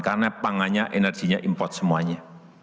karena pangannya energinya import semuanya